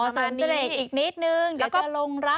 อ๋อเสริมเสน่ห์อีกนิดหนึ่งเดี๋ยวจะลงรับ